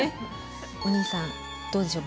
お兄さんどうでしょう？